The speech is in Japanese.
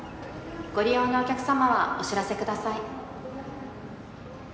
ご利用のお客様はお知らせください。